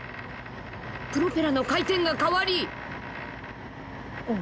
［プロペラの回転が変わり］